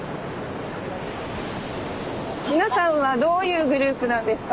皆さんはどういうグループなんですか？